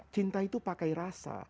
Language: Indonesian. cinta itu pakai rasa